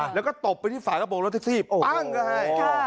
แล้วก็ตบไปที่ฝากระโปรงรถแท็กซี่ปั้งก็ให้